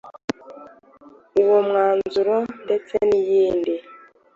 Uwo mwanzuro ndetse n iyindi